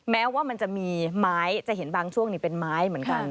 แม้ว่ามันจะมีไม้จะเห็นบางช่วงนี้เป็นไม้เหมือนกัน